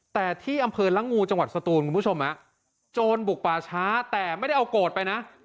แต่ที่อำเภอละงูจังหวัดสตูนคุณผู้ชมโจรบุกป่าช้าแต่ไม่ได้เอาโกรธไปนะ